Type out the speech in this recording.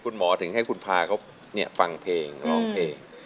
คุณหมอถึงให้คุณพาเขาฟังเพลงร้องเพลง